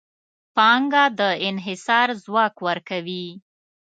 پانګه د انحصار ځواک ورکوي.